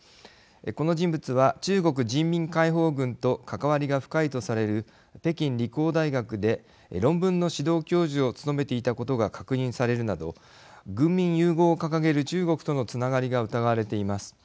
この人物は、中国人民解放軍と関わりが深いとされる北京理工大学で論文の指導教授を務めていたことが確認されるなど軍民融合を掲げる中国とのつながりが疑われています。